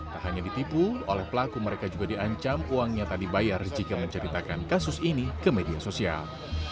tak hanya ditipu oleh pelaku mereka juga diancam uang yang tadi bayar jika menceritakan kasus ini ke media sosial